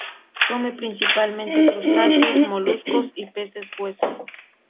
Come principalmente crustáceos, moluscos y peces hueso.